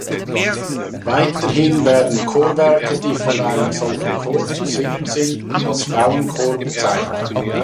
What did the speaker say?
Weiterhin werden Chorwerke, die von einem solchen Chor zu singen sind, als Frauenchor bezeichnet.